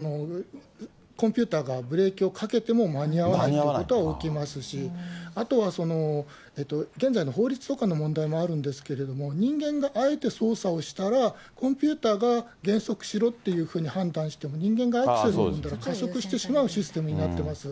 タイヤの性能以上の減速はできないですから、スピードが高過ぎたら、コンピューターがブレーキをかけても間に合わないということは起きますし、あとは現在の法律とかの問題もあるんですけど、人間があえて操作をしたら、コンピューターが減速しろっていうふうに判断しても、人間がアクセルを踏んだら加速してしまうシステムになってます。